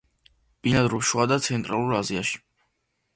ბინადრობს შუა და ცენტრალურ აზიაში.